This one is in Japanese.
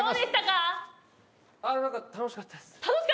なんか楽しかったです。